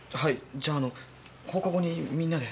じゃあ放課後にみんなで。